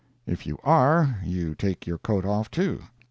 If you are, you can take your coat off too.